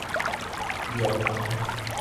Japan